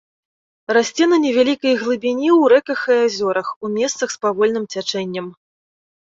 Расце на невялікай глыбіні ў рэках і азёрах, у месцах з павольным цячэннем.